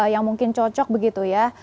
yang mungkin cocok begitu ya